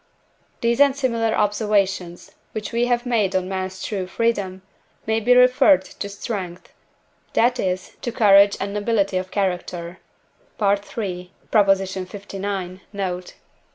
These and similar observations, which we have made on man's true freedom, may be referred to strength, that is, to courage and nobility of character (III. lix. note).